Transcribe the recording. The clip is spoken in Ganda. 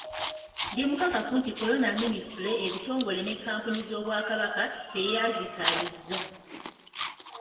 Ndi mukakafu nti Corona minisitule, ebitongole ne kkampuni z'Obwakabaka teyazitaliza.